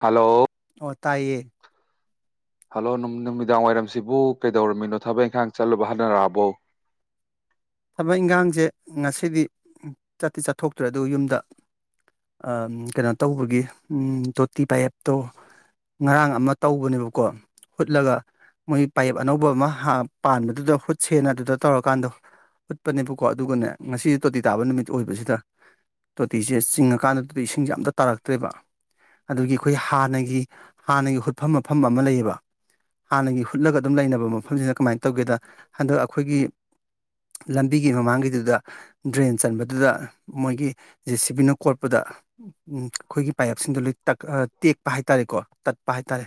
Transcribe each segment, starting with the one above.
Hello ꯑꯣ ꯇꯥꯏꯌꯦ hello ꯅꯨꯝ ꯅꯨꯃꯤꯗꯥꯡ ꯋꯥꯏꯔꯝꯁꯤꯕꯨ ꯀꯩꯗꯧꯔꯝꯃꯤꯅꯣ ꯊꯕꯛ ꯏꯪꯈꯥꯡ ꯆꯠꯂꯨꯕ ꯍꯅꯔꯛꯑꯕꯣ ꯊꯕꯛ ꯏꯪꯈꯥꯡꯁꯦ ꯉꯁꯤꯗꯤ ꯆꯠꯇꯤ ꯆꯠꯊꯣꯛꯇ꯭ꯔꯦ ꯑꯗꯨ ꯌꯨꯝꯗ ꯑꯃ ꯀꯩꯅꯣ ꯇꯧꯕꯒꯤ ꯇꯣꯇꯤ ꯄꯥꯏꯞꯇꯣ ꯉꯔꯥꯡ ꯑꯃ ꯇꯧꯕꯅꯦꯕꯀꯣ ꯍꯨꯠꯂꯒ ꯃꯣꯏ ꯄꯥꯌꯦꯞ ꯑꯅꯧꯕ ꯑꯃ ꯄꯥꯟꯕꯗꯨꯗ ꯈꯨꯨꯠ ꯁꯦꯅ ꯑꯗꯨꯗ ꯇꯧꯔꯀꯥꯟꯗꯣ ꯎꯠꯄꯅꯦꯕꯀꯣ ꯑꯗꯨꯒꯅꯦ ꯉꯁꯤ ꯇꯣꯇꯤ ꯇꯥꯕ ꯅꯨꯃꯤꯠ ꯑꯣꯏꯕꯁꯤꯗ ꯇꯣꯇꯤꯁꯦ ꯆꯤꯡꯉꯀꯥꯟꯗꯗꯨꯗꯤ ꯏꯁꯤꯡꯁꯦ ꯑꯝꯇ ꯇꯥꯔꯛꯇ꯭ꯔꯦꯕ ꯑꯗꯨꯒꯤ ꯑꯩꯈꯣꯏ ꯍꯥꯟꯅꯒꯤ ꯍꯥꯟꯅꯒꯤ ꯍꯨꯠꯐꯝ ꯃꯐꯝ ꯑꯃ ꯂꯩꯌꯦꯕ ꯍꯥꯟꯅꯒꯤ ꯍꯨꯠꯂꯒ ꯑꯗꯨꯝ ꯂꯩꯅꯕ ꯃꯐꯝꯁꯤꯅ ꯀꯃꯥꯏꯅ ꯇꯧꯒꯦꯗ ꯍꯟꯗꯛ ꯑꯩꯈꯣꯏꯒꯤ ꯂꯝꯕꯤꯒꯤ ꯃꯃꯥꯡꯒꯤꯗꯨꯗ ꯗ꯭ꯔꯦꯟ ꯆꯟꯕꯗꯨꯗ ꯃꯣꯏꯒꯤ ꯖꯦ ꯁꯤ ꯕꯤꯅ ꯀꯣꯠꯄꯗ ꯎꯝ ꯑꯩꯈꯣꯏꯒꯤ ꯄꯥꯏꯌꯞꯁꯤꯡꯗꯣ ꯂꯣꯏ ꯇ ꯇꯦꯛꯄ ꯍꯥꯏ ꯇꯔꯦꯀꯣ ꯇꯠꯄ ꯍꯥꯏ ꯇꯔꯦ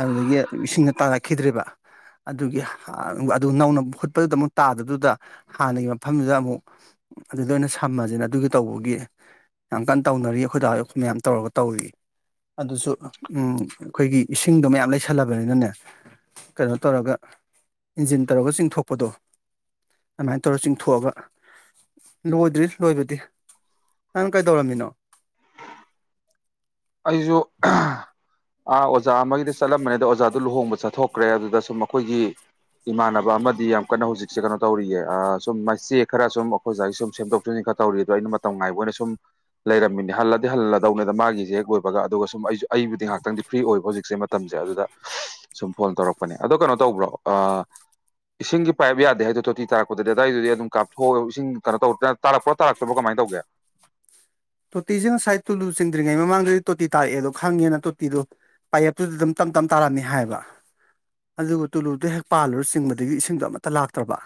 ꯑꯗꯨꯗꯒꯤ ꯏꯁꯤꯡꯅ ꯇꯥꯔꯛꯈꯤꯗ꯭ꯔꯔꯤꯕ ꯑꯗꯨꯒꯤ ꯑꯗꯨ ꯅꯧꯅ ꯍꯨꯠꯄꯗꯨꯗ ꯑꯃꯨꯛ ꯇꯥꯗꯕꯗꯨꯗ ꯍꯥꯟꯅꯒꯤ ꯃꯐꯝꯗꯨꯗ ꯑꯃꯨꯛ ꯑꯗꯨꯗ ꯑꯣꯏꯅ ꯁꯝꯃꯁꯤꯅ ꯑꯗꯨꯒꯤ ꯇꯧꯕꯒꯤ ꯌꯥꯝ ꯀꯟꯅ ꯇꯧꯅꯔꯤ ꯑꯩꯈꯣꯏꯗꯍꯧ ꯑꯩꯈꯣꯏ ꯃꯌꯥꯝ ꯇꯧꯔꯒ ꯇꯧꯔꯤ ꯑꯗꯨꯁꯨ ꯎꯝ ꯑꯩꯈꯣꯒꯤ ꯏꯁꯤꯡꯗꯣ ꯃꯌꯥꯝ ꯂꯩꯁꯜꯂꯕꯅꯤꯅꯅꯦ ꯀꯩꯅꯣ ꯇꯧꯔꯒ ꯏꯟꯖꯤꯟ ꯇꯧꯔꯒ ꯆꯤꯡꯊꯣꯛꯄꯗꯣ ꯑꯗꯨꯃꯥꯏꯅ ꯇꯧꯔ ꯆꯤꯡꯊꯣꯛꯑꯒꯥ ꯂꯣꯏꯗ꯭ꯔꯤ ꯂꯣꯏꯕꯗꯤ ꯅꯪ ꯀꯩꯗꯧꯔꯝꯃꯤꯅꯣ ꯑꯩꯁꯨ ꯑꯥ ꯑꯣꯖꯥ ꯑꯃꯒꯤꯗꯤ ꯆꯠꯂꯝꯕꯅꯤꯗ ꯑꯣꯖꯥꯗꯨ ꯂꯨꯍꯣꯡꯕ ꯆꯠꯊꯣꯛꯈ꯭ꯔꯦ ꯑꯗꯨꯗ ꯁꯨꯝ ꯑꯩꯈꯣꯏꯒꯤ ꯏꯃꯥꯟꯅꯕ ꯑꯃꯗꯤ ꯌꯥꯝ ꯀꯟꯅ ꯍꯧꯖꯤꯛꯁꯦ ꯀꯩꯅꯣ ꯇꯧꯔꯤꯌꯦ ꯁꯨꯝ ꯃꯆꯦ ꯈꯔ ꯁꯨꯝ ꯑꯩ ꯑꯣꯖꯥꯒꯤ ꯁꯨꯝ ꯁꯦꯝꯗꯣꯛ ꯁꯦꯝꯖꯤꯟ ꯈꯔ ꯇꯧꯔꯤ ꯑꯗꯣ ꯑꯩꯅ ꯃꯇꯝ ꯉꯥꯏꯕ ꯑꯣꯏꯅ ꯁꯨꯝ ꯂꯩꯔꯝꯃꯤꯅꯦ ꯍꯜꯂꯗꯤ ꯍꯜꯂꯗꯧꯅꯦꯗ ꯃꯥꯒꯤꯁꯦ ꯂꯣꯏꯕꯒ ꯑꯗꯨꯒ ꯁꯨꯝ ꯑꯩꯁꯨ ꯑꯩꯕꯨꯗꯤ ꯉꯥꯏꯍꯥꯛꯇꯪꯗꯤ ꯐ꯭ꯔꯤ ꯑꯣꯏꯕ ꯍꯧꯖꯤꯛꯁꯦ ꯃꯇꯝꯁꯦ ꯑꯗꯨꯗ ꯁꯨꯝ ꯐꯣꯟ ꯇꯧꯔꯛꯄꯅꯦ ꯑꯗꯣ ꯀꯩꯅꯣ ꯇꯧꯕ꯭ꯔꯣ ꯑ ꯏꯁꯤꯡꯒꯤ ꯄꯥꯏꯞ ꯌꯥꯗꯦ ꯍꯥꯏꯗꯣ ꯇꯣꯇꯤ ꯇꯥꯔꯛꯄꯗꯗꯤ ꯑꯗꯥꯏꯗꯨꯗꯤ ꯑꯗꯨꯝ ꯀꯥꯞꯊꯣꯛꯑ ꯏꯁꯤꯡ ꯀꯩꯅꯣ ꯇꯧꯗ ꯇꯥꯔꯛꯄꯔꯣ ꯇꯥꯔꯛꯇꯕꯣ ꯀꯃꯥꯏ ꯇꯧꯒꯦ ꯇꯣꯇꯤꯁꯦ ꯉꯁꯥꯏ ꯇꯨꯂꯨ ꯆꯤꯡꯗ꯭ꯔꯤꯉꯩ ꯃꯃꯥꯡꯗꯗꯤ ꯇꯣꯇꯤ ꯇꯔꯛꯑꯦꯗꯣ ꯈꯪꯉꯦꯅ ꯇꯣꯇꯤꯗꯣ ꯄꯥꯌꯦꯞꯇꯨꯗ ꯑꯗꯨꯝ ꯇꯝ ꯇꯞ ꯇꯥꯔꯝꯃꯦ ꯍꯥꯏꯕ ꯑꯗꯨꯒ ꯇꯨꯂꯨꯗꯣ ꯍꯦꯛ ꯄꯥꯜꯂꯨꯔ ꯆꯤꯡꯕꯗꯒꯤ ꯏꯁꯤꯡꯗꯣ ꯑꯃꯠꯇ ꯂꯥꯛꯇ꯭ꯔꯕ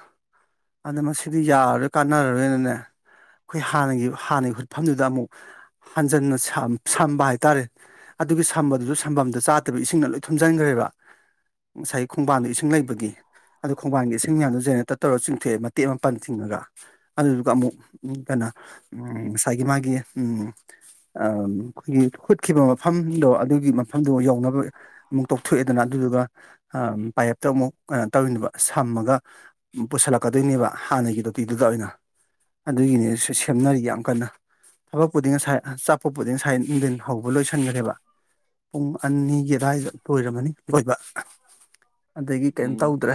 ꯑꯗ ꯃꯁꯤꯗꯤ ꯌꯥꯔꯣꯏ ꯀꯥꯟꯅꯔꯣꯏꯅꯅꯦ ꯑꯩꯈꯣꯏ ꯍꯥꯟꯅꯒꯤ ꯍꯥꯟꯅꯒꯤ ꯈꯨꯠ ꯐ ꯃꯐꯝꯗꯨꯗ ꯑꯃꯨꯛ ꯍꯟꯖꯟꯅ ꯁꯝ ꯁꯝꯕ ꯍꯥꯏꯇꯥꯔꯦ ꯑꯗꯨꯒꯤ ꯁꯝꯕ ꯗꯨꯁꯨ ꯁꯝꯕꯝꯗ ꯆꯥꯗꯕ ꯏꯁꯤꯡꯅ ꯂꯣꯏ ꯊꯨꯝꯖꯤꯟꯈ꯭ꯔꯦꯕ ꯉꯁꯥꯏ ꯈꯣꯡꯕꯥꯟꯗꯣ ꯏꯁꯤꯡ ꯂꯩꯕꯒꯤ ꯑꯗꯨꯣ ꯈꯣꯡꯕꯥꯟꯒꯤ ꯏꯁꯤꯡ ꯃꯌꯥꯝꯁꯨ ꯖꯦꯅꯦꯔꯇꯔ ꯇꯧꯔ ꯆꯤꯡꯊꯣꯛꯑꯦ ꯃꯇꯦꯛ ꯑꯃ ꯄꯜ ꯊꯤꯡꯉꯒ ꯑꯗꯨꯗꯨꯒ ꯑꯃꯨꯛ ꯀꯩꯅꯣ ꯎ ꯉꯁꯥꯏꯒꯤ ꯃꯥꯒꯤ ꯎꯝ ꯑ ꯑꯩꯈꯣꯏꯒꯤ ꯈꯨꯨꯠꯈꯤꯕ ꯃꯐꯝꯗꯣ ꯑꯗꯨꯒꯤ ꯃꯐꯝꯗꯣ ꯌꯧꯅꯕ ꯑꯃꯨꯛ ꯇꯧꯊꯣꯛꯑꯦꯗꯅ ꯑꯗꯨꯗꯨꯒ ꯄꯥꯏꯞꯇ ꯑꯃꯨꯛ ꯀꯩꯅꯣ ꯇꯧꯔꯤꯅꯩꯕ ꯁꯝꯃꯒ ꯄꯨꯁꯜꯂꯛꯀꯗꯣꯏꯅꯦꯕ ꯍꯥꯟꯅꯒꯤ ꯇꯣꯇꯤꯗꯨꯗ ꯑꯣꯏꯅ ꯑꯗꯨꯒꯤꯅꯤ ꯁꯦꯝꯅꯔꯤ ꯌꯥꯝ ꯀꯟꯅ ꯊꯕꯛꯄꯨꯗꯤ ꯉꯁꯥꯏ ꯑꯆꯥꯄꯣꯠꯄꯨꯗꯤ ꯉꯁꯥꯏ ꯅꯨꯡꯊꯤꯜ ꯍꯧꯕ ꯂꯣꯏꯁꯤꯟꯈ꯭ꯔꯦꯕ ꯄꯨꯡ ꯑꯅꯤꯒꯤ ꯑꯗꯨꯋꯥꯏꯗ ꯂꯣꯏꯔꯝꯃꯅꯤ ꯂꯣꯏꯕ ꯑꯗꯒꯤ ꯀꯩꯝ ꯎꯝ ꯇꯧꯗ꯭ꯔꯦ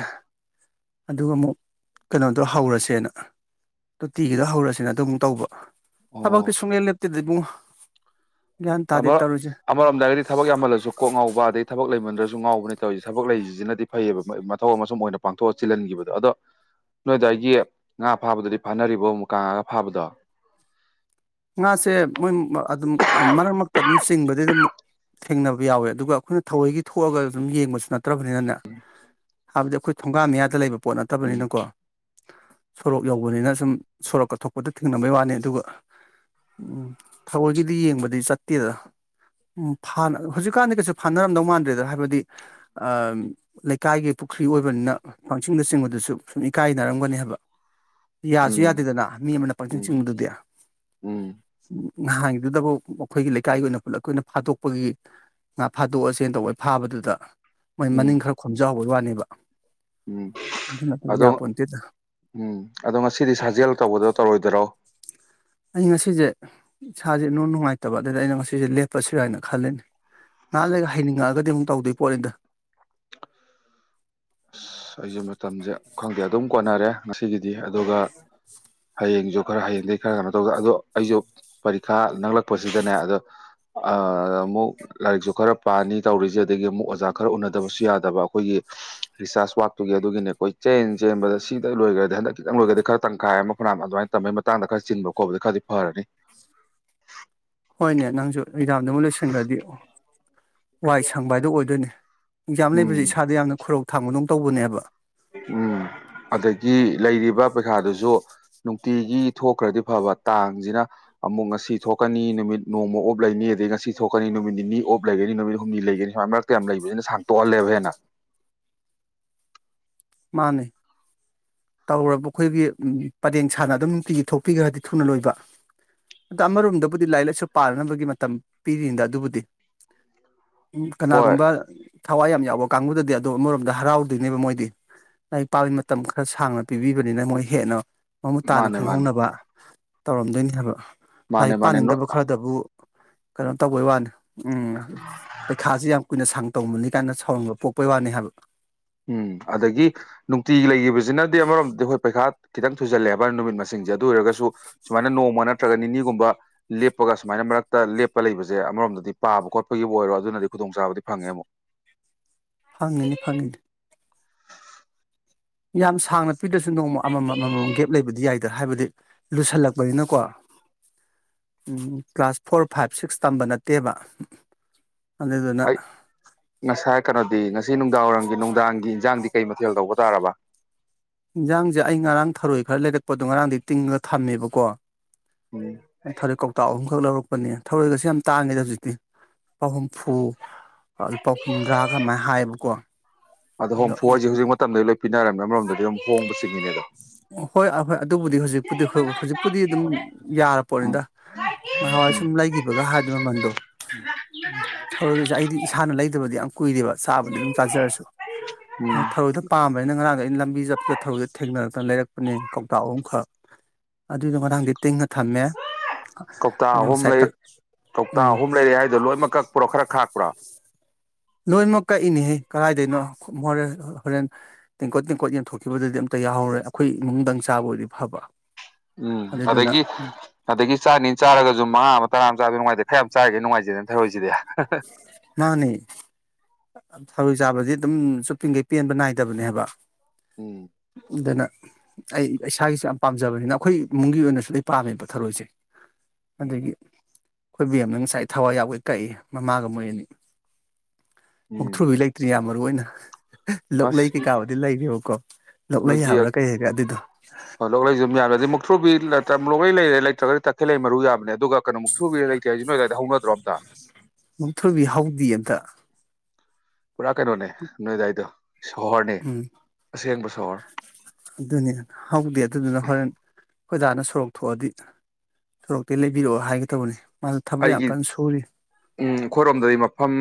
ꯑꯗꯨꯒ ꯑꯃꯨꯛ ꯀꯩꯅꯣꯗꯣ ꯍꯧꯔꯁꯦꯅ ꯇꯣꯇꯤꯒꯤꯗꯣ ꯍꯧꯔꯁꯦꯅ ꯑꯗꯨ ꯑꯃꯨꯛ ꯇꯧꯕ ꯊꯕꯛꯇꯤ ꯑꯣ ꯁꯨꯡꯂꯦꯞ ꯂꯦꯞꯇꯦꯗ ꯏꯕꯨꯡꯣ ꯒ꯭ꯌꯥꯟ ꯇꯥꯗꯦ ꯇꯧꯔꯤꯁꯦ ꯑꯃꯔꯣꯝꯗ ꯍꯥꯏꯒꯗꯤ ꯊꯕꯛ ꯌꯥꯝꯃꯜꯂꯁꯨ ꯀꯣꯛ ꯉꯥꯎꯕ ꯑꯗꯩ ꯊꯕꯛ ꯂꯩꯃꯟꯗ꯭ꯔꯁꯨ ꯉꯥꯎꯕꯅꯤ ꯇꯧꯔꯤꯁꯦ ꯊꯕꯛ ꯂꯩꯔꯤꯁꯤꯅꯗꯤ ꯐꯩꯌꯦꯕ ꯃꯊꯧ ꯑꯃꯁꯨꯝ ꯑꯣꯏꯅ ꯄꯥꯡꯊꯣꯛꯑ ꯆꯤꯜꯍꯟꯈꯤꯕꯗꯣ ꯑꯗꯣ ꯅꯣꯏꯗꯥꯏꯒꯤ ꯉꯥ ꯐꯥꯕꯗꯨꯗꯤ ꯐꯥꯅꯔꯤꯕꯣ ꯃꯨꯀꯥ ꯉꯥꯒ ꯐꯥꯕꯗꯣ ꯉꯥꯁꯦ ꯃꯣꯏ ꯑꯗꯨꯝ ꯃꯔꯛ ꯃꯔꯛꯇ ꯑꯗꯨꯝ ꯆꯤꯡꯕꯗꯤ ꯑꯗꯨꯝ ꯊꯦꯡꯅꯕ ꯌꯥꯎꯋꯦ ꯑꯗꯨꯒ ꯑꯩꯈꯣꯏꯅ ꯊꯋꯣꯏꯒꯤ ꯊꯣꯛꯑꯒ ꯑꯗꯨꯝ ꯌꯦꯡꯕꯁꯨ ꯅꯠꯇ꯭ꯔꯕꯅꯤꯅꯅꯦ ꯍꯥꯏꯕꯗꯤ ꯑꯩꯈꯣꯏ ꯊꯣꯡꯒꯥꯟ ꯃꯌꯥꯗ ꯂꯩꯕ ꯄꯣꯠ ꯎꯝ ꯅꯠꯇꯕꯅꯤꯅꯀꯣ ꯁꯣꯔꯣꯛ ꯌꯧꯕꯅꯤꯅ ꯁꯨꯝ ꯁꯣꯔꯣꯛꯀ ꯊꯣꯛꯄꯗ ꯊꯦꯡꯅꯕꯩ ꯋꯥꯅꯤ ꯑꯗꯨꯒ ꯎꯝ ꯊꯑꯣꯏꯒꯤꯗꯤ ꯌꯦꯡꯕꯗꯤ ꯆꯠꯇꯦꯗ ꯎ ꯍꯟꯅ ꯍꯧꯖꯤꯛꯀꯥꯟꯗꯤ ꯀꯩꯁꯨ ꯐꯥꯅꯔꯝꯗꯧ ꯃꯥꯟꯗ꯭ꯔꯦꯗ ꯍꯥꯏꯕꯗꯤ ꯑ ꯂꯩꯀꯥꯏꯒꯤ ꯄꯨꯈ꯭ꯔꯤ ꯑꯣꯏꯕꯅꯤꯅ ꯄꯪꯆꯤꯡꯗ ꯆꯤꯡꯕꯗꯨꯁꯨ ꯁꯨꯝ ꯏꯀꯥꯏꯅꯔꯝꯒꯅꯤꯕ ꯌꯥꯁꯨ ꯎꯝ ꯌꯥꯗꯦꯗꯅ ꯃꯤ ꯑꯃꯅ ꯄꯥꯛꯆꯤꯡ ꯎꯝ ꯆꯤꯡꯕꯗꯨꯗꯤ ꯎꯝ ꯉꯍꯥꯟꯒꯤꯗꯨꯗꯐꯥꯎ ꯑꯩꯈꯣꯏꯒꯤ ꯂꯩꯀꯥꯏꯒꯤ ꯑꯣꯏꯅ ꯄꯨꯂꯞꯀꯤ ꯑꯣꯏꯅ ꯐꯥꯗꯣꯛꯄꯒꯤ ꯉꯥ ꯐꯥꯗꯣꯛꯑꯁꯦ ꯇꯧꯕꯩ ꯐꯥꯕꯗꯨꯗ ꯃꯣꯏ ꯎꯝ ꯃꯅꯤꯡ ꯈꯔ ꯈꯣꯝꯖꯥꯍꯧꯕꯩ ꯋꯥꯅꯦꯕ ꯎꯝ ꯑꯗꯨ ꯅꯠꯇ ꯑꯗꯣ ꯌꯥꯄꯣꯠꯇꯦꯗ ꯎꯝ ꯑꯗꯣ ꯉꯁꯤꯗꯤ ꯁꯥꯖꯦꯜ ꯇꯧꯕꯗꯣ ꯇꯧꯔꯣꯏꯗꯔꯣ ꯑꯩ ꯉꯁꯤꯖꯦ ꯏꯁꯥꯁꯦ ꯏꯅꯨꯡ ꯅꯨꯡꯉꯥꯏꯇꯕ ꯑꯗꯨꯗ ꯑꯩꯅ ꯉꯁꯤꯁꯦ ꯂꯦꯞꯄꯁꯤꯔ ꯍꯥꯏꯅ ꯈꯜꯂꯤꯅꯤ ꯉꯥꯍꯥꯛꯂꯩꯔꯒ ꯍꯥꯏꯅꯤꯡꯉꯛꯑꯗꯤ ꯑꯃꯨꯛ ꯇꯧꯗꯣꯏ ꯄꯣꯠꯅꯤꯗ ꯑꯩꯁꯨ ꯃꯇꯝꯁꯦ ꯈꯪꯗꯦ ꯑꯗꯨꯝ ꯀꯣꯟꯅꯔꯦ ꯉꯁꯤꯒꯤꯗꯤ ꯑꯗꯨꯒ ꯍꯌꯦꯡꯁꯨ ꯈꯔ ꯍꯌꯦꯡꯗꯒꯤ ꯈꯔ ꯀꯩꯅꯣ ꯇꯧꯗ ꯑꯗꯣ ꯑꯩꯁꯨ ꯄꯔꯤꯈꯥ ꯅꯛꯂꯛꯄꯁꯤꯗꯅꯦ ꯑꯗꯣ ꯑ ꯑꯃꯨꯛ ꯂꯥꯏꯔꯤꯛꯁꯨ ꯈꯔ ꯄꯥꯅꯤ ꯇꯧꯔꯤꯁꯦ ꯑꯗꯒꯤ ꯑꯃꯨꯛ ꯑꯣꯖꯥ ꯈꯔ ꯎꯅꯗꯕꯁꯨ ꯌꯥꯗꯕ ꯑꯩꯈꯣꯏꯒꯤ ꯔꯤꯁꯥꯔꯁ ꯄꯥꯛꯇꯨꯒꯤ ꯑꯗꯨꯒꯤꯅꯤ ꯀꯣꯏꯆꯦꯟ ꯆꯦꯟꯕꯗ ꯁꯤꯗ ꯂꯣꯏꯈ꯭ꯔꯗꯤ ꯍꯟꯗꯛꯀꯤꯗꯪ ꯂꯣꯏꯈ꯭ꯔꯗꯤ ꯈꯔ ꯇꯪꯈꯥꯏ ꯑꯃ ꯐꯥꯅꯌꯥꯝ ꯑꯗꯨꯃꯥꯏꯅ ꯇꯝꯕꯩ ꯃꯇꯥꯡꯗ ꯈꯔ ꯆꯤꯟꯕ ꯈꯣꯠꯄ ꯈꯔꯗꯤ ꯐꯔꯅꯤ ꯍꯣꯏꯅꯦ ꯅꯪꯁꯨ ꯑꯦꯛꯖꯥꯝꯗꯨ ꯑꯃ ꯂꯣꯏꯁꯟꯈ꯭ꯔꯗꯤ ꯋꯥꯏ ꯁꯪꯕ ꯍꯥꯏꯗꯣ ꯑꯣꯏꯗꯣꯏꯅꯦ ꯑꯦꯛꯖꯥꯝ ꯂꯩꯕꯁꯦ ꯎꯝ ꯏꯁꯥꯗ ꯌꯥꯝꯅ ꯈꯨꯔꯧ ꯊꯥꯡꯕꯗꯧ ꯇꯧꯕꯅꯦꯕ ꯎꯝ ꯑꯗꯒꯤ ꯂꯩꯔꯤꯕ ꯄꯩꯈꯥꯗꯨꯁꯨ ꯅꯨꯡꯇꯤꯒꯤ ꯊꯣꯛꯈ꯭ꯔꯗꯤ ꯐꯕ ꯇꯥꯡꯖꯤꯅ ꯑꯃꯨꯛ ꯉꯁꯤ ꯊꯣꯛꯀꯅꯤ ꯅꯨꯃꯤꯠ ꯅꯣꯡꯃ ꯑꯣꯞ ꯂꯩꯅꯤ ꯑꯗꯩ ꯉꯁꯤ ꯊꯣꯛꯀꯅꯤ ꯅꯨꯃꯤꯠ ꯅꯤꯅꯤ ꯑꯣꯞ ꯂꯩꯒꯅꯤ ꯅꯨꯃꯤꯠ ꯍꯨꯝꯅꯤ ꯂꯩꯒꯅꯤ ꯁꯨꯃꯥꯏ ꯃꯛ ꯀꯌꯥꯝ ꯂꯩꯕꯁꯤꯅ ꯁꯥꯡꯇꯣꯛꯍꯜꯂꯦꯕ ꯍꯦꯟꯅ ꯃꯥꯅꯦ ꯇꯧꯔꯕ ꯑꯩꯈꯣꯏꯒꯤ ꯎ ꯄꯔꯦꯡ ꯁꯥꯅ ꯑꯗꯨꯝ ꯅꯨꯡꯇꯤꯒꯤ ꯊꯣꯛꯄꯤꯒꯔꯗꯤ ꯊꯨꯅ ꯂꯣꯏꯕ ꯑꯗ ꯑꯃꯔꯣꯝꯗꯕꯨꯗꯤ ꯂꯥꯏꯔꯤꯛ ꯂꯥꯏꯁꯨ ꯄꯥꯅꯕꯒꯤ ꯃꯇꯝ ꯄꯤꯔꯤꯅꯤꯗ ꯑꯗꯨꯕꯨꯗꯤ ꯎ ꯍꯣꯏ ꯀꯅꯥꯒꯨꯝꯕ ꯊꯋꯥꯏ ꯌꯥꯝ ꯌꯥꯎꯕ ꯀꯥꯡꯕꯨꯗꯗꯤ ꯑꯗꯣ ꯑꯃꯔꯣꯝꯗ ꯍꯔꯥꯎꯗꯣꯏꯅꯦꯕ ꯃꯣꯏꯗꯤ ꯂꯥꯏꯔꯤꯛ ꯄꯥꯕꯩ ꯃꯇꯝ ꯈꯔ ꯁꯥꯡꯅ ꯄꯤꯕꯤꯕꯅꯤꯅ ꯃꯣꯏ ꯍꯦꯟꯅ ꯃꯃꯨꯠ ꯇꯥꯅ ꯃꯥꯅꯦ ꯃꯥꯅꯦ ꯈꯪꯍꯧꯅꯕ ꯇꯧꯔꯝꯗꯣꯏꯅꯦ ꯊꯕꯛ ꯃꯥꯅꯦ ꯂꯥꯏꯔꯤꯛ ꯃꯥꯅꯦ ꯄꯥꯅꯤꯡꯗꯕ ꯈꯔꯗꯕꯨ ꯀꯩꯅꯣ ꯇꯧꯕꯩ ꯋꯥꯅꯤ ꯎꯝ ꯄꯩꯈꯥꯁꯦ ꯌꯥꯝ ꯀꯨꯏꯅ ꯁꯥꯡ ꯇꯧꯃꯜꯂꯤ ꯀꯥꯏꯅ ꯁꯥꯎꯅꯤꯡꯕ ꯄꯣꯛꯄꯩ ꯋꯥꯅꯤ ꯍꯥꯏꯕ ꯎꯝ ꯑꯗꯒꯤ ꯅꯨꯡꯇꯤꯒꯤ ꯂꯩꯒꯤꯕꯁꯤꯅꯗꯤ ꯑꯃꯔꯣꯝꯗꯗꯤ ꯑꯩꯈꯣꯏ ꯄꯩꯈꯥ ꯈꯤꯇꯪ ꯊꯨꯖꯜꯂꯦꯕ ꯅꯨꯃꯤꯠ ꯃꯁꯤꯡꯁꯦ ꯑꯗꯨ ꯑꯣꯏꯔꯒꯁꯨ ꯁꯨꯃꯥꯏꯅ ꯅꯣꯡꯃ ꯅꯠꯇ꯭ꯔꯒ ꯅꯤꯅꯤꯒꯨꯝꯕ ꯂꯦꯞꯄꯒ ꯁꯨꯃꯥꯏꯅ ꯃꯔꯛꯇ ꯂꯦꯞꯄ ꯂꯩꯕꯁꯦ ꯑꯃꯔꯣꯝꯗꯗꯤ ꯄꯥꯕ ꯈꯣꯠꯄꯒꯤꯕꯨ ꯑꯣꯏꯔꯣ ꯑꯗꯨꯅꯗꯤ ꯈꯨꯗꯣꯡꯆꯥꯥꯕꯗꯤ ꯐꯪꯉꯦ ꯑꯃꯨꯛ ꯐꯪꯉꯤꯅꯦ ꯐꯪꯉꯤꯗꯤ ꯌꯥꯝ ꯁꯥꯡꯅ ꯄꯤꯗ꯭ꯔꯁꯨ ꯅꯣꯡꯃ ꯑꯃꯃꯝ ꯑꯃꯃꯝ ꯒꯦꯞ ꯂꯩꯕꯗꯤ ꯌꯥꯏꯗ ꯍꯥꯏꯕꯗꯤ ꯂꯨꯁꯜꯂꯛꯄꯅꯤꯅꯀꯣ um class four five six ꯇꯝꯕ ꯅꯠꯇꯦꯕ ꯑꯗꯨꯗꯨꯅ ꯉꯁꯥꯏ ꯀꯩꯅꯣꯗꯤ ꯉꯁꯤ ꯅꯨꯡꯗꯥꯡꯋꯥꯏꯔꯝꯒꯤ ꯅꯨꯡꯗꯥꯡꯒꯤ ꯏꯟꯖꯥꯡꯗꯤ ꯀꯩ ꯃꯊꯦꯜ ꯇꯧꯕ ꯇꯥꯔꯕ ꯏꯟꯖꯥꯡꯖ‌ꯦ ꯑꯩ ꯉꯔꯥꯡ ꯊꯔꯣꯏ ꯈꯔ ꯂꯩꯔꯛꯄꯗꯣ ꯉꯔꯥꯡꯗꯩ ꯇꯤꯡꯉꯒ ꯊꯝꯃꯦꯕꯀꯣ ꯎꯝ ꯊꯔꯣꯏ ꯀꯧꯇꯥ ꯑꯍꯨꯝꯈꯛ ꯂꯧꯔꯛ ꯄꯅꯦ ꯊꯔꯣꯏꯒꯁꯦ ꯌꯥꯝ ꯇꯥꯡꯉꯦꯗ ꯍꯧꯖꯤꯛꯇꯤ ꯂꯨꯄꯥ ꯍꯨꯝꯐꯨ ꯄ ꯂꯨꯄꯥ ꯍꯨꯝꯗ꯭ꯔꯥꯒ ꯑꯃꯥꯏ ꯍꯥꯏꯌꯦꯕꯀꯣ ꯑꯗꯣ ꯍꯨꯝꯐꯨ ꯍꯥꯏꯖ‌ꯦ ꯍꯧꯖꯤꯛ ꯃꯇꯝꯗꯗꯤ ꯂꯣꯏ ꯄꯤꯅꯔꯝꯅ‌ꯦ ꯑꯃꯔꯣꯝꯗꯗꯤ ꯑꯗꯨꯝ ꯍꯣꯡꯕ ꯆꯤꯡꯉꯤꯅꯦꯗꯣ ꯑꯣꯍꯣꯏ ꯑꯍꯣꯏ ꯑꯗꯨꯕꯨꯗꯤ ꯍꯧꯖꯤꯛꯄꯨꯗꯤ ꯑꯈꯣꯏꯕꯨ ꯍꯧꯖꯤꯛꯄꯨꯗꯤ ꯑꯗꯨꯝ ꯎꯝ ꯌꯔꯄꯣꯠꯅꯤꯗ ꯉꯍꯥꯟꯋꯥꯏ ꯎꯝ ꯁꯨꯝ ꯂꯩꯒꯤꯕꯒ ꯍꯥꯏꯗꯤ ꯃꯃꯟꯗꯣ ꯎꯝ ꯊꯔꯣꯏꯒꯖ‌ꯦ ꯑꯩꯗꯤ ꯏꯁꯥꯅ ꯂꯩꯗꯕꯗꯤ ꯌꯥꯝ ꯀꯨꯏꯔꯦꯕ ꯆꯥꯕꯗꯤ ꯑꯗꯨꯝ ꯆꯥꯖꯔꯁꯨ ꯑ ꯎꯝ ꯊꯔꯣꯏꯗꯣ ꯄꯥꯝꯕꯅꯤꯅ ꯉꯔꯥꯡꯗꯤ ꯑꯩꯅ ꯂꯝꯕꯤ ꯆꯠꯄꯗ ꯊꯔꯣꯏꯗꯣ ꯊꯦꯡꯅꯔꯛꯇꯅ ꯂꯩꯔꯛꯄꯅꯦ ꯀꯧꯇꯥ ꯑꯍꯨꯝꯈꯛ ꯑꯗꯨꯏꯗ‌ꯣ ꯉꯔꯥꯡꯗꯤ ꯇꯤꯡꯉ ꯊꯝꯃꯦ ꯀꯧꯇꯥ ꯑꯗꯨ ꯉꯁꯥꯏ ꯀꯛ ꯎꯝ ꯑꯗꯨꯗꯣ ꯂꯣꯏꯃꯛ ꯀꯛꯄ꯭ꯔꯣ ꯈꯔ ꯈꯥꯛꯄ꯭ꯔꯣ ꯂꯣꯏꯃꯛ ꯀꯛꯏꯅꯦꯍꯦ ꯀꯔꯥꯏꯗꯩꯅꯣ ꯃꯣꯔꯦꯜ ꯍꯣꯔꯦꯟ ꯇꯦꯡꯀꯣꯠ ꯇꯦꯡꯀꯣꯠ ꯌꯦꯟꯊꯣꯛꯈꯤꯕꯗꯨꯗꯤ ꯑꯝꯇ ꯌꯥꯎꯍꯧꯔꯣꯏ ꯑꯩꯈꯣꯏ ꯏꯃꯨꯡꯗꯪ ꯆꯥꯕ ꯑꯣꯏꯗꯤ ꯐꯕ ꯎꯝ ꯑꯗꯨꯗꯨꯅ ꯑꯗꯒꯤ ꯑꯗꯒꯤ ꯆꯥꯅꯤ ꯆꯥꯔꯒꯖꯨ ꯃꯉꯥ ꯑꯃ ꯇꯔꯥ ꯑꯃ ꯆꯥꯕꯗꯤ ꯅꯨꯡꯉꯥꯏꯇꯦ ꯈꯔ ꯌꯥꯝ ꯆꯥꯔꯤꯉꯩ ꯅꯨꯡꯉꯥꯏꯖꯩꯗ ꯊꯔꯣꯏꯖꯤꯗꯤ ꯃꯥꯅꯦ ꯊꯔꯣꯏ ꯆꯥꯕꯗꯤ ꯑꯗꯨꯝ ꯆꯨꯞꯄꯤꯒꯩ ꯄꯦꯟꯕ ꯅꯥꯏꯗꯕꯅꯦ ꯍꯥꯏꯕ ꯎꯝ ꯑꯗꯨꯅ ꯑꯩ ꯏꯁꯥꯒꯤꯁꯨ ꯌꯥꯝ ꯄꯥꯝꯖꯕꯅꯤꯅ ꯑꯩꯈꯣꯏ ꯏꯃꯨꯡꯒꯤ ꯑꯣꯏꯅꯁꯨ ꯂꯣꯏ ꯄꯥꯝꯃꯦꯕ ꯊꯔꯣꯏꯁꯦ ꯑꯗꯒꯤ ꯑꯩꯈꯣꯏ ꯕꯦꯝꯃ ꯉꯁꯥꯏ ꯊꯋꯥꯏ ꯌꯥꯎꯕꯩ ꯀꯛꯏ ꯃꯃꯥꯒ ꯃꯣꯏ ꯑꯅꯤ ꯎꯝ ꯃꯨꯛꯊ꯭ꯔꯨꯕꯤ ꯂꯩꯇ꯭ꯔꯤ ꯌꯥꯝ ꯃꯔꯨꯑꯣꯏꯅ ꯑꯁ ꯂꯣꯛꯂꯩ ꯀꯩꯀꯥꯕꯨꯗꯤ ꯂꯩꯔꯦꯕꯀꯣ ꯂꯣꯛꯂꯩ ꯅꯣꯏꯒꯤ ꯍꯥꯏꯕ꯭ꯔꯥ ꯀꯩ ꯍꯥꯏꯒꯦ ꯑꯗꯨꯗꯣ ꯍꯣꯏ ꯂꯣꯛꯂꯩꯖꯨ ꯑꯗꯨꯝ ꯌꯥꯕꯅ‌ꯦ ꯑꯗꯩ ꯃꯨꯛꯊ꯭ꯔꯨꯕꯤ ꯂꯩꯇ꯭ꯔ [unintelligible] ꯂꯩꯔꯦ ꯂꯩꯇ꯭ꯔꯒꯗꯤ ꯇꯈꯦꯜꯂꯩ ꯃꯔꯨ ꯌꯥꯕꯅꯦ ꯑꯗꯨꯒ ꯀꯩꯅ‌ꯣ ꯃꯨꯛꯊ꯭ꯔꯨꯕꯤ ꯂꯩꯇꯦ ꯍꯥꯏꯖꯤ ꯅꯣꯏ ꯑꯗꯥꯏꯗ ꯍꯧꯅꯗ꯭ꯔꯣ ꯑꯝꯇ ꯃꯨꯛꯊ꯭ꯔꯨꯕꯤ ꯍꯧꯗꯤꯌꯦ ꯑꯝꯇ ꯄꯨꯔꯥ ꯀꯩꯅꯣꯅꯦ ꯅꯣꯏ ꯑꯗꯥꯏꯗꯣ ꯁꯣꯍꯣꯔꯅꯦ ꯑꯁꯦꯡꯕ ꯁꯣꯍꯣꯔ ꯑꯗꯨꯅꯦ ꯍꯧꯗꯦ ꯑꯗꯨꯗꯨꯅ ꯍꯣꯔꯦꯟ ꯑꯩꯈꯣꯏ ꯗꯥꯅ ꯁꯣꯔꯣꯛ ꯊꯣꯛꯑꯗꯤ ꯁꯣꯔꯣꯛꯇꯩ ꯂꯩꯕꯤꯔꯛꯑꯣ ꯍꯥꯏꯒ‌ꯦ ꯇꯧꯕꯅꯦ ꯃꯥꯗꯣ ꯊꯕꯛ ꯌꯥꯝ ꯑꯩꯒꯤ ꯀꯟꯅ ꯁꯨꯔꯤ ꯎꯝ ꯑꯩꯈꯣꯏꯔꯣꯝꯗꯗꯤ ꯃꯐꯝ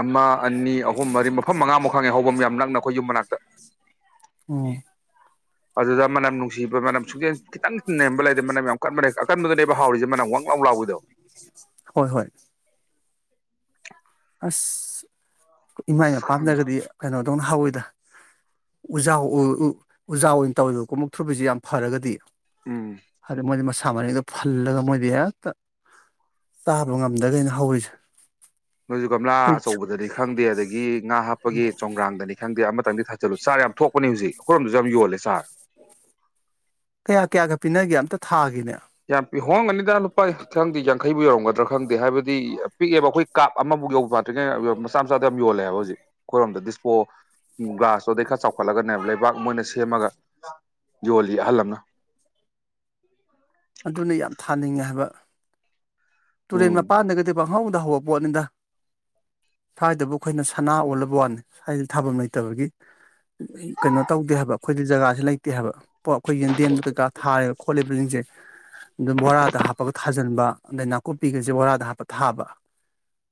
ꯑꯃ ꯑꯅꯤ ꯑꯍꯨꯝ ꯃꯔꯤ ꯃꯐꯝ ꯃꯉꯥꯃꯨꯛ ꯈꯪꯉꯦ ꯍꯧꯕꯝ ꯌꯥꯝ ꯅꯛꯅ ꯑꯩꯈꯣꯏ ꯌꯨꯝ ꯃꯅꯥꯛꯇ ꯑꯣ ꯑꯗꯨꯗ ꯃꯅꯝ ꯅꯨꯡꯁꯤꯕ ꯃꯅꯝ ꯁꯨꯡꯆꯦꯟ ꯈꯤꯇꯪ ꯅꯦꯝꯕ ꯂꯩꯗꯦ ꯃꯅꯝ ꯌꯥꯝ ꯀꯟꯕ ꯂꯩ ꯑꯀꯟꯕꯗꯨꯅꯦꯕ ꯍꯥꯎꯔꯤꯖ‌ꯦ ꯃꯅꯝ ꯋꯡ ꯂꯥꯎ ꯂꯥꯎꯋꯤꯗꯣ ꯍꯣꯏ ꯍꯣꯏ ꯑꯁ ꯏꯃꯥꯏ ꯃꯄꯥꯝꯗꯒꯗꯤ ꯀꯩꯅꯣꯗꯧꯅ ꯍꯧꯋꯤꯗ ꯎꯖꯥꯎ ꯎ‌ ꯎ‌ ꯎꯖꯥꯎ ꯑꯣꯏꯅ ꯇꯧꯋꯤꯕꯀꯣ ꯃꯨꯛꯊ꯭ꯔꯨꯕꯤꯖ‌ꯦ ꯌꯥꯝ ꯐꯔꯒꯗꯤ ꯎꯝ ꯍꯥꯏꯗꯤ ꯃꯣꯏꯗꯤ ꯃꯁꯥ ꯃꯔ‌ꯦꯝꯒ ꯐꯜꯂꯒ ꯃꯣꯏꯗꯤ ꯍꯦꯛꯇ ꯇꯥꯕ ꯉꯝꯗꯒꯩꯅꯤ ꯍꯧꯔꯤꯁꯦ ꯅꯣꯏꯖꯨ ꯒꯝꯂꯥ ꯑꯩꯈꯣꯏ ꯑꯆꯧꯕꯗꯗꯤ ꯈꯪꯗꯦ ꯑꯗꯒꯤ ꯉꯥ ꯍꯥꯞꯄꯒꯤ ꯆꯣꯡꯒ꯭ꯔꯥꯡꯗꯅꯤ ꯈꯪꯗꯦ ꯑꯃꯇꯪꯗꯤ ꯊꯥꯖꯜꯂꯨ ꯆꯥꯔ ꯌꯥꯝ ꯊꯣꯛꯄꯅꯤ ꯍꯧꯖꯤꯛ ꯑꯩꯈꯣꯏꯣꯝꯁꯨ ꯌꯥꯝ ꯌꯣꯂꯦ ꯆꯥꯔ꯫ ꯀꯌꯥ ꯀꯌꯥꯒ ꯄꯤꯅꯒꯦ ꯑꯝꯇ ꯊꯥꯈꯤꯅꯦ꯫ ꯌꯥꯝ ꯄꯤ ꯍꯣꯡꯒꯅꯤꯗ ꯂꯨꯄꯥ ꯈꯪꯗꯦ ꯌꯥꯡꯈꯩꯕꯨ ꯌꯧꯔꯝꯒꯗ꯭ꯔꯥ ꯈꯪꯗꯦ ꯍꯥꯏꯕꯗꯤ ꯄꯤꯛꯑꯦꯕ ꯑꯈꯣꯏ ꯀꯥꯞ ꯑꯃꯕꯨꯛ ꯌꯧꯕ ꯐꯥꯠꯇ꯭ꯔꯤꯉꯩ ꯃꯆꯥ ꯃꯆꯥꯗ ꯌꯥꯝ ꯌꯣꯜꯂꯦꯕ ꯍꯧꯖꯤꯛ ꯑꯈꯣꯏꯔꯣꯝꯗ ꯗꯤꯁꯄꯣ ꯒ꯭ꯂꯥꯁꯇꯨꯗꯒꯤ ꯈꯔ ꯆꯥꯎꯈꯠꯂꯒꯅꯦꯕ ꯂꯩꯕꯥꯛ ꯃꯣꯏꯅ ꯁꯦꯝꯃꯒ ꯌꯣꯜꯂꯤ ꯑꯍꯜ ꯑꯃꯅ꯫ ꯑꯗꯨꯅ ꯌꯥꯝ ꯊꯥꯅꯤꯡꯉꯦ ꯍꯥꯏꯕ꯫ ꯇꯨꯔꯦꯟ ꯎꯝ ꯃꯄꯥꯟꯗꯒꯗꯤ ꯄꯪꯍꯧꯗ ꯍꯧꯕ ꯄꯣꯠꯅꯤꯗ꯫ ꯁ꯭ꯋꯥꯏꯗꯕꯨ ꯑꯈꯣꯏꯅ ꯁꯅꯥ ꯑꯣꯜꯂꯕ ꯋꯥꯅꯤ ꯁ꯭ꯋꯥꯏꯗ ꯊꯥꯐꯝ ꯂꯩꯇꯕꯒꯤ꯫ [unintelligible] ꯀꯩꯅꯣ ꯇꯧꯗꯦ ꯍꯥꯏꯕ ꯑꯈꯣꯏꯗꯤ ꯖꯒꯥꯁꯤ ꯂꯩꯇꯦ ꯍꯥꯏꯕ ꯄꯣ ꯑꯈꯣꯏꯒꯤ ꯌꯦꯟꯗꯦꯝꯗ ꯀꯩꯀꯥ ꯊꯥꯔꯦ ꯈꯣꯠꯂꯤꯕꯁꯤꯡꯁꯦ ꯑꯗꯨꯝ ꯕꯣꯔꯥꯗ ꯍꯥꯞꯄꯒ ꯊꯥꯖꯤꯟꯕ ꯑꯗꯩꯅ ꯀꯣꯄꯤꯒꯩꯁꯦ ꯕꯣꯔꯥꯗ ꯍꯥꯞꯄ ꯊꯥꯕ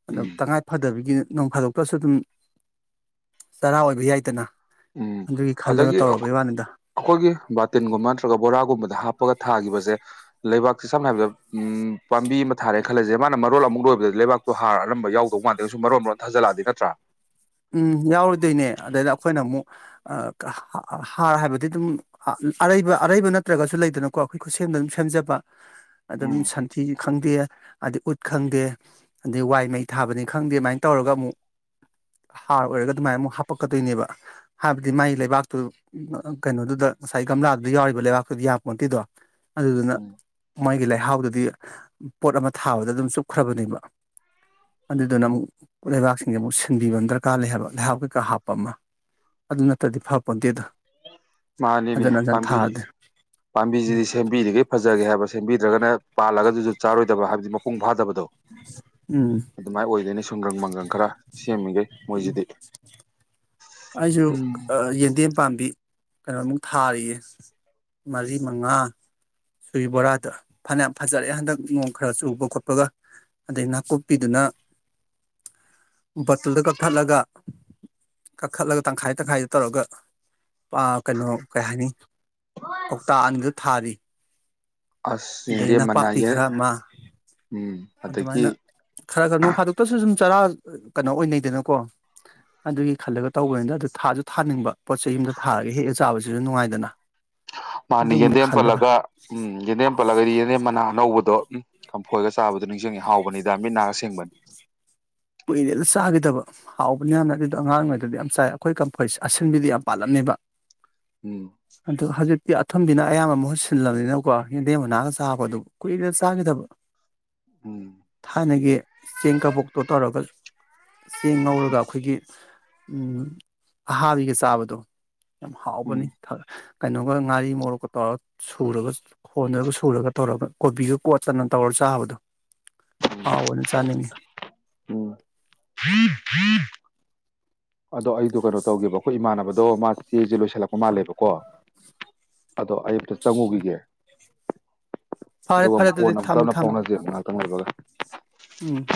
ꯑꯗꯨꯝ ꯎꯝ ꯇꯉꯥꯏ ꯐꯗꯕꯤꯒꯤ ꯅꯣꯡ ꯐꯥꯗꯣꯛꯇꯁꯨ ꯑꯗꯨꯝ ꯆꯔꯥ ꯑꯣꯏꯕ ꯌꯥꯏꯗꯅ꯫ ꯑꯗꯨꯒꯤ ꯈꯜꯂꯒ ꯇꯧꯔꯕꯩ ꯋꯥꯅꯤꯗ꯫ ꯑꯈꯣꯏꯒꯤ ꯕꯥꯇꯤꯟꯒꯨꯝꯕ ꯅꯠꯇ꯭ꯔꯒ ꯕꯣꯔꯥꯒꯨꯝꯕꯗ ꯍꯥꯞꯄꯒ ꯊꯥꯒꯤꯕꯁꯦ ꯂꯩꯕꯥꯛꯁꯦ ꯁꯝꯅ ꯍꯥꯏꯕꯗ ꯄꯥꯝꯕꯤ ꯑꯃ ꯊꯥꯔꯦ ꯈꯜꯂꯁꯦ ꯃꯥꯅ ꯃꯔꯣꯜ ꯑꯃꯨꯛ ꯂꯣꯏꯕꯗꯗꯤ ꯂꯩꯕꯥꯛ ꯇꯣ ꯍꯥꯔ ꯑꯔꯝꯕ ꯌꯥꯎꯗꯧ ꯃꯥꯟꯗꯩꯁꯨ ꯃꯔꯣꯟ-ꯃꯔꯣꯟ ꯊꯖꯂꯛꯑꯗꯤ ꯅꯇ꯭ꯔꯥ꯫ ꯌꯥꯎꯔꯨꯗꯣꯏꯅꯦ ꯑꯗꯩꯗ ꯑꯈꯣꯏꯅ ꯑꯃꯨꯛ ꯑ ꯀ ꯍꯥꯔ ꯍꯥꯏꯕꯗꯤ ꯑꯗꯨꯝ ꯑ ꯑꯔꯩꯕ ꯑꯔꯩꯕ ꯅꯠꯇ꯭ꯔꯒꯁꯨ ꯂꯩꯗꯅꯀꯣ ꯑꯈꯣꯏ ꯈꯨꯠꯁꯦꯝꯗ ꯑꯗꯨꯝ ꯁꯦꯝꯖꯕ꯫ ꯑꯗꯨꯝ ꯎꯝ ꯁꯟꯊꯤ ꯈꯪꯗꯦ ꯑꯗꯩ ꯎꯠ ꯈꯪꯗꯦ ꯑꯗꯩ ꯋꯥꯏ ꯃꯩ ꯊꯥꯕꯅꯤ ꯈꯪꯗꯦ ꯑꯗꯨꯃꯥꯏꯅ ꯇꯧꯔꯒ ꯑꯃꯨꯛ ꯍꯥꯔ ꯑꯣꯏꯔꯒ ꯑꯗꯨꯃꯥꯏꯅ ꯑꯃꯨꯛ ꯍꯥꯄꯛꯀꯗꯣꯏꯅꯦꯕ ꯍꯥꯏꯕꯗꯤ ꯃꯥꯒꯤ ꯂꯩꯕꯥꯛꯇꯨ ꯀꯩꯅꯣꯗꯨꯗ ꯉꯁꯥꯏ ꯒꯝꯂꯥꯗꯨꯗ ꯌꯥꯎꯔꯤꯕ ꯂꯩꯕꯥꯛꯇꯨꯗꯤ ꯌꯥꯄꯣꯟꯇꯤꯗꯣ ꯑꯗꯨꯗꯨꯅ ꯎꯝ ꯃꯣꯏꯒꯤ ꯂꯩꯍꯥꯎꯗꯨꯗꯤ ꯄꯣꯠ ꯑꯃ ꯊꯥꯕꯗ ꯑꯗꯨꯝ ꯆꯨꯞꯈ꯭ꯔꯕꯅꯦꯕ꯫ ꯑꯗꯨꯗꯨꯅ ꯑꯃꯨꯛ ꯂꯩꯕꯥꯛꯁꯤꯡꯁꯦ ꯑꯃꯨꯛ ꯁꯤꯟꯕꯤꯕꯝ ꯗ꯭ꯔ ꯀꯥꯔ ꯂꯩ ꯍꯥꯏꯕ ꯂꯩꯥꯏꯍꯥꯎ ꯀꯩꯀꯥ ꯍꯥꯞꯄ ꯑꯃ ꯑꯗꯨ ꯅꯠꯇ꯭ꯔꯗꯤ ꯐꯄꯣꯟꯗꯦꯗ꯫ ꯃꯥꯅꯤꯅꯦ ꯄꯥꯝꯕꯤꯁꯤ ꯎꯝ ꯄꯥꯝꯕꯤꯁꯤꯗꯤ ꯁꯦꯝ ꯕꯤꯗꯨꯈꯩ ꯐꯖꯒꯦ ꯍꯥꯏꯕ ꯁꯦꯝꯕꯤꯗ꯭ꯔꯒꯅ ꯄꯥꯜꯂꯒꯗꯨꯁꯨ ꯆꯥꯔꯣꯏꯗꯕ ꯍꯥꯏꯕꯗꯤ ꯃꯄꯨꯡ ꯐꯥꯗꯕꯗꯣ꯫ ꯎꯝ ꯑꯗꯨꯃꯥꯏꯅ ꯑꯣꯏꯗꯣꯏꯅꯤ ꯁꯨꯡꯒꯪ ꯃꯪꯒ꯭ꯔꯪ ꯈꯔ ꯁꯦꯝꯃꯤꯈꯩ ꯃꯣꯏꯁꯤꯗꯤ꯫ ꯖꯨ ꯑ ꯌꯦꯟꯗꯦꯟ ꯄꯥꯝꯕꯤ ꯀꯩꯅꯣꯃꯨꯛ ꯊꯥꯔꯤꯌꯦ ꯃꯔꯤ ꯃꯉꯥ꯫ ꯈꫭꯏꯒꯤ ꯕꯣꯔꯥꯗ ꯐꯅꯌꯥꯝ ꯐꯖꯔꯛꯑꯦ ꯍꯟꯗꯛ ꯅꯣꯡ ꯈꯔ ꯆꯨꯕ ꯈꯣꯠꯄꯒ꯫ ꯑꯗꯩ ꯅꯥꯀꯨꯞꯄꯤꯗꯨꯅ ꯕꯇꯜꯗ ꯀꯛꯊꯠꯂꯒ ꯀꯛꯈꯠꯂꯒ ꯇꯪꯈꯥꯏ ꯇꯪꯈꯥꯏꯗ ꯇꯧꯔꯒ ꯑꯥ ꯀꯩꯅꯣ ꯀꯩ ꯍꯥꯏꯅꯤ ꯀꯧꯇꯥ ꯑꯅꯤꯗꯨ ꯊꯥꯔꯤ꯫ ꯑꯁ ꯑꯗꯒꯤ ꯌꯦꯟꯗꯦꯝ ꯃꯅꯥ ꯅꯄꯥꯛꯄꯤ ꯈꯔ ꯑꯃ ꯎꯝ ꯑꯗꯒꯤ ꯑꯗꯨꯃꯥꯏꯅ ꯈꯔ ꯈꯔ ꯅꫭꯡ ꯐꯥꯗꯣꯛꯇꯁꯨ ꯁꯨꯝ ꯆꯔꯥ ꯀꯩꯅꯣ ꯑꯣꯏꯅꯩꯗꯅꯀꯣ꯫ ꯑꯗꯨꯒꯤ ꯈꯜꯂꯒ ꯇꯧꯕꯅꯤꯗ ꯑꯗꯨ ꯊꯥꯁꯨ ꯊꯥꯅꯤꯡꯕ ꯄꯣꯠꯁꯦ ꯌꯨꯝꯗ ꯊꯥꯔꯒ ꯍꯦꯛꯑ ꯆꯥꯕꯁꯤꯁꯨ ꯅꯨꯡꯉꯥꯏꯗꯅ꯫ ꯃꯥꯅꯦ ꯑꯗꯨꯒꯨꯝꯕ ꯌꯦꯟꯗꯦꯝ ꯈꯜꯂꯒ ꯄꯜꯂꯒ ꯌꯦꯟꯗꯦꯝ ꯄꯜꯂꯒꯗꯤ ꯌꯦꯟꯗꯦꯝ ꯃꯅꯥ ꯑꯅꯧꯕꯗꯣ ꯎꯝ꯫ ꯀꯝꯐꯣꯏꯒ ꯆꯥꯕꯗꯨꯣ ꯅꯤꯡꯁꯤꯡꯉꯤ ꯍꯥꯎꯕꯅꯤꯗ ꯃꯤꯠ ꯅꯥꯒ ꯁꯤꯡꯕꯅꯤ꯫ ꯀꯨꯏꯔꯦꯗ ꯆꯥꯒꯤꯗꯕ꯫ ꯍꯥꯎꯕꯅꯤ ꯍꯥꯟꯅ ꯑꯗꯨꯗꯣ ꯑꯉꯥꯡꯉꯩꯗꯗꯤ ꯌꯥꯝ ꯆꯥꯏ ꯑꯈꯣꯏ ꯀꯝꯐꫭꯏ ꯑꯁꯤꯟꯕꯤꯗꯤ ꯌꯥꯝ ꯄꯥꯜꯂꯝꯅꯦꯕ꯫ ꯎꯝ ꯑꯗꯨ ꯍꯧꯖꯤꯛꯇꯤ ꯑꯊꯨꯝꯕꯤꯅ ꯑꯌꯥꯝꯕ ꯃꯍꯨꯠ ꯁꯤꯜꯂꯕꯅꯤꯅꯀꯣ ꯌꯦꯟꯗꯦꯝ ꯃꯅꯥꯒ ꯆꯥꯕ ꯑꯗꯨ ꯀꯨꯏꯔꯦꯗ ꯆꯥꯈꯤꯗꯕ꯫ ꯎꯝ ꯑꯅꯒꯤ ꯆꯦꯡ ꯀꯕꯣꯛꯇꯣ ꯇꯧꯔꯒ ꯆꯦꯡ ꯉꯧꯔꯒ ꯑꯈꯣꯏꯒꯤ ꯎꯝ ꯑꯍꯥꯕꯤꯒ ꯆꯥꯕꯗꯣ ꯌꯥꯝ ꯎꯝ ꯍꯥꯎꯕꯅꯤ ꯊꯥ ꯀꯩꯅꯣꯒ ꯉꯥꯔꯤ ꯃꯣꯔꯣꯛꯀ ꯇꯧꯔꯒ ꯁꯨꯔꯒ ꯍꯣꯟꯗꯒ ꯁꯨꯔꯒ ꯇꯧꯔꯒ ꯀꯣꯕꯤꯒ ꯀꯣꯠꯇꯅ ꯆꯟꯅ ꯇꯧꯔꯒ ꯆꯥꯕꯗꯣ ꯎꯝ ꯍꯥꯎꯕꯅꯦ ꯆꯥꯅꯤꯡꯉꯤ ꯎꯝ [inaudible] ꯑꯗꯣ ꯑꯩꯗꯣ ꯀꯩꯅꯣ ꯇꯧꯒꯦꯕ ꯑꯈꯣꯏ ꯏꯃꯥꯟꯅꯕꯗꯣ ꯃꯥ ꯆꯦꯁꯦ ꯂꯣꯏꯁꯤꯜꯂꯛꯄ ꯃꯥꯜꯂꯦꯕꯀꯣ ꯑꯗꯣ ꯑꯩ ꯑꯝꯇ ꯆꯪꯉꯨꯒꯤꯒꯦ ꯐꯔꯦ ꯑꯗꯨꯒ ꯐꯔꯦ ꯑꯗꯨꯗꯤ ꯐꯣꯟ ꯊꯝꯃꯦ ꯑꯝꯇꯅ ꯊꯝꯃꯦ ꯐꯥꯎꯅꯁꯦꯕ ꯉꯥꯏꯍꯥꯛꯇꯪ ꯑꯣꯏꯕꯒ ꯎꯝ